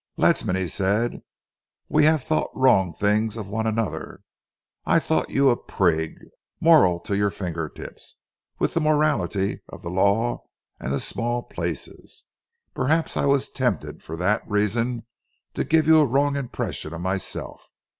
"Ledsam," he said, "we have thought wrong things of one another. I thought you a prig, moral to your finger tips with the morality of the law and the small places. Perhaps I was tempted for that reason to give you a wrong impression of myself.